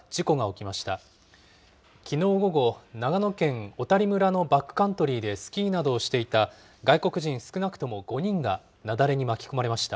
きのう午後、長野県小谷村のバックカントリーでスキーなどをしていた外国人少なくとも５人が雪崩に巻き込まれました。